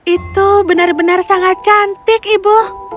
itu benar benar sangat cantik ibu